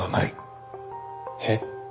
えっ？